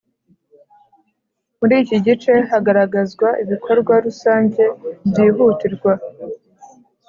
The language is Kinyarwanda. muri iki gice haragaragazwa ibikorwa rusange byihutirwa